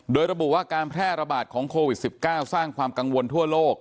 โดยระบุว่าการแพร่ระบาดของโควิด๑๙สร้างความกังวลทั่วโลก